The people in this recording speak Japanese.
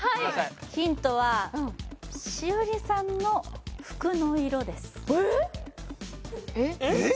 ヒントは栞里さんの服の色ですえっ？